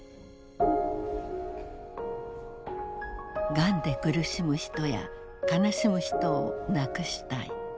がんで苦しむ人や悲しむ人をなくしたい。